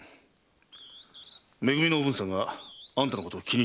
め組のおぶんさんがあんたのことを気にしていてな。